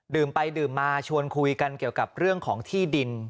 ไปดื่มมาชวนคุยกันเกี่ยวกับเรื่องของที่ดิน